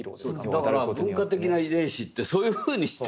だから文化的な遺伝子ってそういうふうにして。